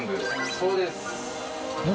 そうです。